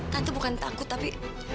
tante bukan takut tapi